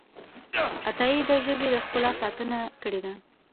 عطايي د ژبې د ښکلا ساتنه کړې ده.